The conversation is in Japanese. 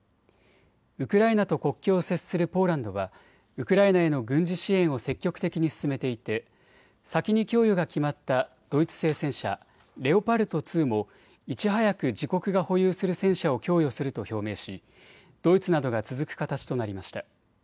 ウクライナと国境を接するポーランドはウクライナへの軍事支援を積極的に進めていて先に供与が決まったドイツ製戦車、レオパルト２もいち早く自国が保有する戦車を供与すると表明しドイツなどが続く形となりました。